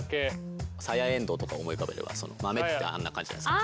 さやえんどうとか思い浮かべれば豆ってあんな感じじゃないですか。